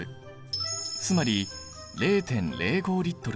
つまり０．０５Ｌだ。